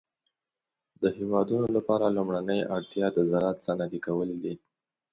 د هيوادونو لپاره لومړنۍ اړتيا د زراعت صنعتي کول دي.